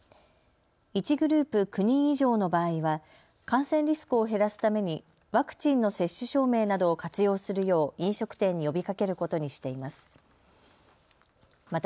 １グループ９人以上の場合は感染リスクを減らすためにワクチンの接種証明などを活用するよう飲食店に呼びかけることにしています。